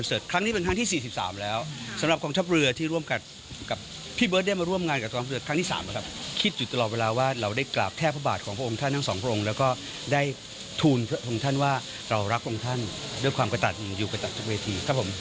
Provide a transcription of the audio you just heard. เรารักลงท่านด้วยความกระตัดอยู่กระตัดทุกเวทีครับผม